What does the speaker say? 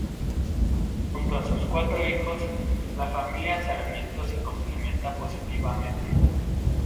Junto a sus cuatro hijos, la familia Sarmiento se complementa positivamente.